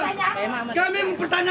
kamu kan butuh dimasukkan kami bertanya